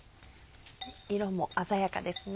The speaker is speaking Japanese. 色も鮮やかですね。